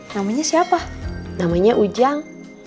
namanya siapa namanya ujang